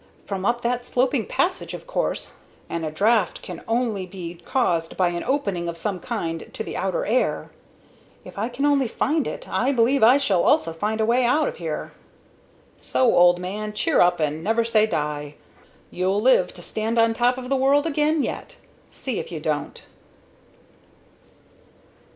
From up that sloping passage, of course, and a draught can only be caused by an opening of some kind to the outer air. If I can only find it, I believe I shall also find a way out of here. So, old man, cheer up and never say die! You'll live to stand on top of the world again, yet see if you don't!"